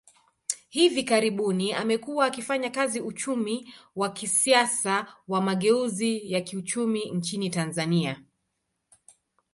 Hivi karibuni, amekuwa akifanya kazi uchumi wa kisiasa wa mageuzi ya kiuchumi nchini Tanzania.